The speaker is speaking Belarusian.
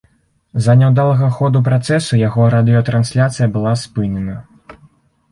З-за няўдалага ходу працэсу яго радыётрансляцыя была спынена.